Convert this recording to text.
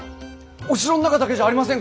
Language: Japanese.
お城の中だけじゃありませんからね。